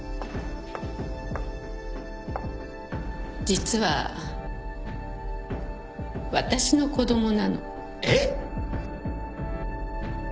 実は私の子供なの。えっ！？